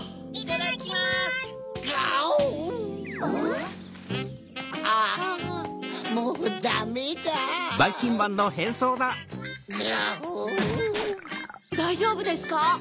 だいじょうぶですか？